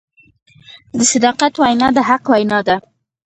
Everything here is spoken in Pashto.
د صداقت وینا د حق وینا ده.